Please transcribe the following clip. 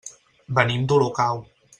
Venim d'Olocau.